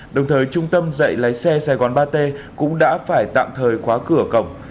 đồng thời trung tâm dạy lái xe sài gòn ba t cũng đã phải tạm thời khóa cửa cổng